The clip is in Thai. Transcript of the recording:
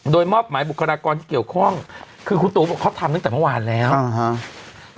โดยมอบหมายบุคลากรที่เกี่ยวข้องคือคุณตูบอกเขาทำตั้งแต่เมื่อวานแล้วอ่าฮะ